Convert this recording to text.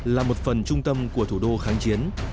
là một phần trung tâm của thủ đô kháng chiến